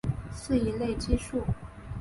是一类激素。